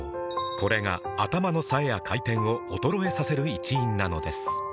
これが頭の冴えや回転を衰えさせる一因なのです